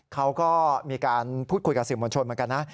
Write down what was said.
เขาก็มีการพูดคุยกับสื่อมวลชนเหมือนกันนะ